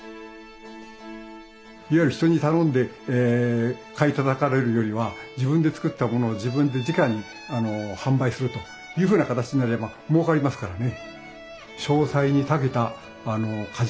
いわゆる人に頼んで買いたたかれるよりは自分で作ったものを自分でじかに販売するというふうな形になればもうかりますからね。